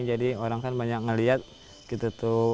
jadi orang kan banyak melihat gitu tuh